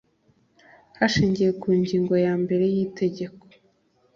Hashingiwe ku ngingo ya mbere y itegeko